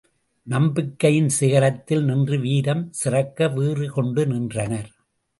நம்பிக்கையின் சிகரத்தில் நின்று வீரம் சிறக்க வீறு கொண்டு நின்றனர்.